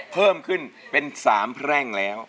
เพิ่มขึ้นเป็น๓แพร่งแล้ว